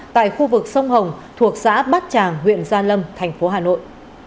tại khu vực sông hồng thuộc xã bát tràng huyện gia lâm thành phố hà nội